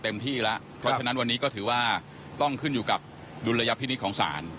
ที่แล้วเพราะฉะนั้นวันนี้ก็ถือว่าต้องขึ้นอยู่กับดุลยพินิษฐ์ของศาล